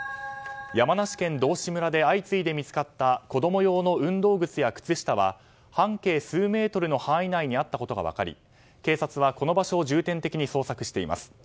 山梨県道志村で相次いで見つかった子供用の運動靴や靴下は半径数メートルの範囲内にあったことが分かり警察はこの場所を重点的に捜索しています。